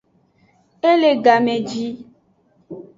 E le game ji.